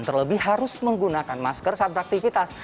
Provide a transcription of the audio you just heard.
terlebih harus menggunakan masker saat beraktivitas